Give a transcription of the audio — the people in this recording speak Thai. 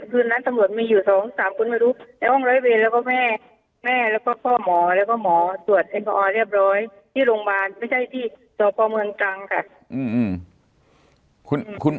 ปันคืนนั้นตำรวจมีอยู่๒๓คุณมาดู